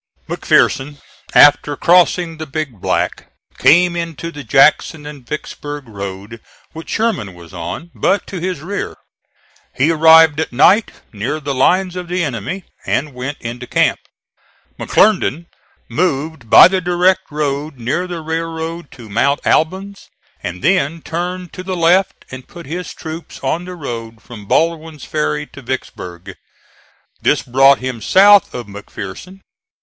McPherson, after crossing the Big Black, came into the Jackson and Vicksburg road which Sherman was on, but to his rear. He arrived at night near the lines of the enemy, and went into camp. McClernand moved by the direct road near the railroad to Mount Albans, and then turned to the left and put his troops on the road from Baldwin's ferry to Vicksburg. This brought him south of McPherson.